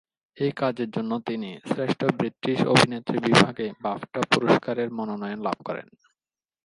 এই কাজের জন্য তিনি শ্রেষ্ঠ ব্রিটিশ অভিনেত্রী বিভাগে বাফটা পুরস্কারের মনোনয়ন লাভ করেন।